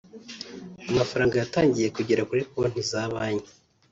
amafaranga yatangiye kugera kuri konti za banki